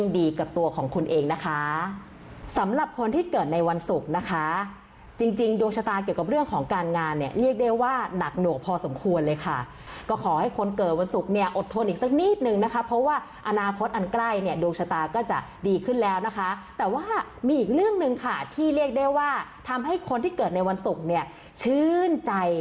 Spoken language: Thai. ดีกับตัวของคุณเองนะคะสำหรับคนที่เกิดในวันศุกร์นะคะจริงดวงชะตาเกี่ยวกับเรื่องของการงานเนี่ยเรียกได้ว่าหนักหน่วงพอสมควรเลยค่ะก็ขอให้คนเกิดวันศุกร์เนี่ยอดทนอีกสักนิดนึงนะคะเพราะว่าอนาคตอันใกล้เนี่ยดวงชะตาก็จะดีขึ้นแล้วนะคะแต่ว่ามีอีกเรื่องหนึ่งค่ะที่เรียกได้ว่าทำให้คนที่เกิดในวันศุกร์เนี่ยชื่นใจ